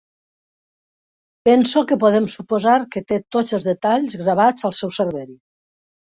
Penso que podem suposar que té tots els detalls gravats al seu cervell.